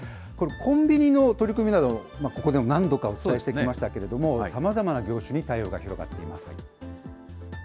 これ、コンビニの取り組みなど、ここでも何度かお伝えしてきましたけれども、さまざまな業種に対応が広がっています。